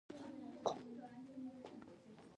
هغوی سره خیانت وي.